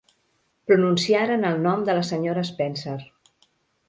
Pronunciaren el nom de la senyora Spencer.